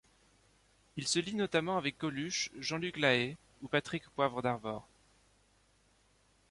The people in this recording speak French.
Il se lie notamment avec Coluche, Jean-Luc Lahaye ou Patrick Poivre d'Arvor.